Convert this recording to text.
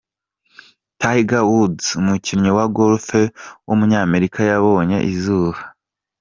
Tiger Woods, umukinnyi wa Golf w’umunyamerika yabonye izuba.